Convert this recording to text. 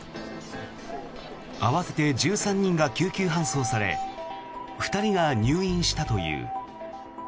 合わせて１３人が救急搬送され２人が入院したという。